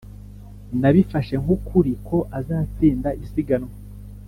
] nabifashe nk'ukuri ko azatsinda isiganwa.